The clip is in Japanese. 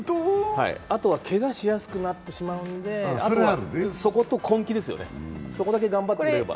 あとはけがしやすくなってしまうのでそこと根気ですよね、そこだけ頑張ってくれれば。